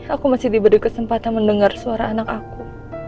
aku masih diberi kesempatan mendengar suara anak aku